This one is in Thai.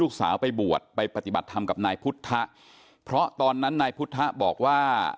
ลูกสาวไปบวชไปปฏิบัติธรรมกับนายพุทธะเพราะตอนนั้นนายพุทธะบอกว่า